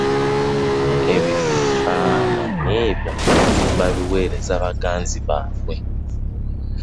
Ebifaananyi ebyo baabiweerezanga baganzi baabwe,.